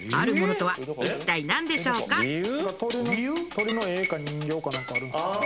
鳥の絵か人形かなんかあるんですかね